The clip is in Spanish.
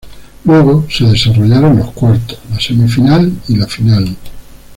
Luego se desarrollaron los Cuartos, la Semifinal y la Final.